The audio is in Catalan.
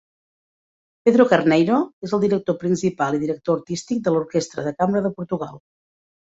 Pedro Carneiro és el director principal i director artístic de l'Orquestra de Cambra de Portugal.